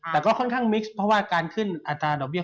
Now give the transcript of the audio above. และก็ค่อนข้างมิกเชียม